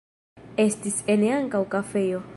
Estis ene ankaŭ kafejo.